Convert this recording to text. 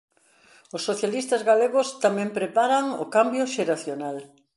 Os socialistas galegos tamén preparan o cambio xeracional